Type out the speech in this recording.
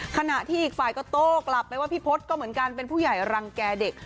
ขณะที่อีกฝ่ายก็โต้กลับไปว่าพี่พศก็เหมือนกันเป็นผู้ใหญ่รังแก่เด็ก